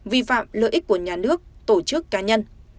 vi phạm lợi ích của nhà nước tổ chức cá nhân